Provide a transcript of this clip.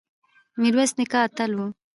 میرویس نیکه اتل و